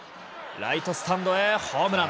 ライトスタンドへホームラン。